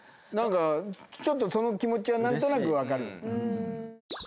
何かちょっとその気持ちは何となく分かる。